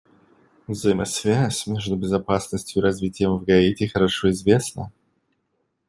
Взаимосвязь между безопасностью и развитием в Гаити хорошо известна.